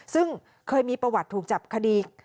ซึ่งเคยมีประวัติถูกจับคดี